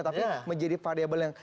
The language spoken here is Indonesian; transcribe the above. tapi menjadi variable yang